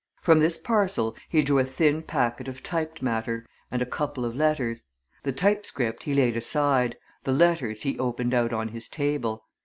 From this parcel he drew a thin packet of typed matter and a couple of letters the type script he laid aside, the letters he opened out on his table.